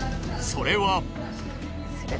それは。